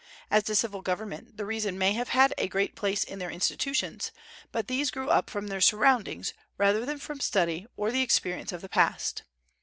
As to civil government, the reason may have had a great place in their institutions; but these grew up from their surroundings rather than from study or the experience of the past.